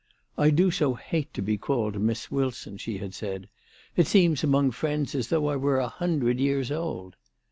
"I do so hate to be called Miss Wilson," she had said. " It seems among friends as though I were a hundred years old."